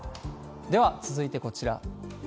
では続いてこちら。